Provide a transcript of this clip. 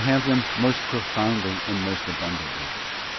BOOK have them most profoundly and most abundantly.